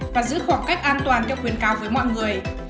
và giữ khoảng cách an toàn theo khuyên cáo với mọi người